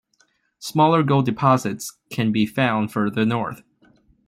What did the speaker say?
Smaller gold deposits can be found further north.